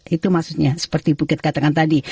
itu maksudnya seperti bu gat katakan tadi